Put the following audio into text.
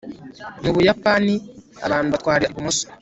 mu buyapani abantu batwara ibumoso